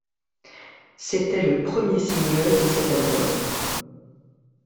C'était le premier single de cet album.